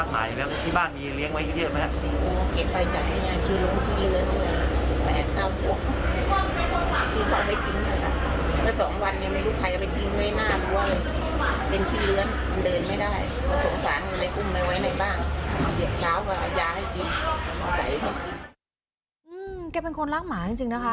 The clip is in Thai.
แกเป็นคนรักหมาจริงนะคะ